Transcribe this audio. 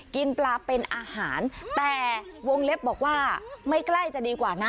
กินปลาเป็นอาหารแต่วงเล็บบอกว่าไม่ใกล้จะดีกว่านะ